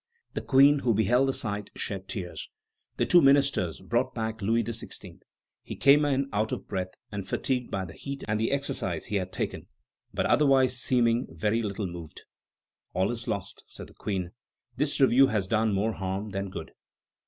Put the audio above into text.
The Queen, who beheld the sight, shed tears. The two ministers brought back Louis XVI. He came in out of breath, and fatigued by the heat and the exercise he had taken, but otherwise seeming very little moved. "All is lost," said the Queen. "This review has done more harm than good."